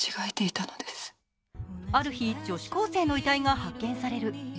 ある日、女子高生の遺体が発見される。